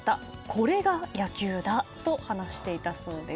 これが野球だと話していたそうです。